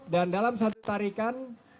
dan dalam satu tarikan